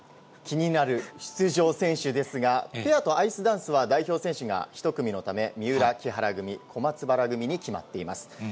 気になる出場選手でしたが、ペアとアイスダンスは、代表選手が１組のため、三浦・木原組、小松原組に決まっています。